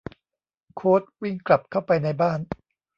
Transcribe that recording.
โค้ชวิ่งกลับเข้าไปในบ้าน